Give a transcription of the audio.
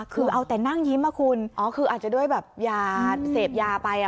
คือเอาแต่นั่งยิ้มอ่ะคุณอ๋อคืออาจจะด้วยแบบยาเสพยาไป